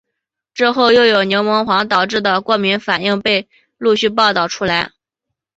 之后又有柠檬黄导致的过敏反应被陆续报道出来。